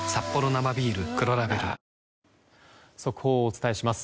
速報をお伝えします。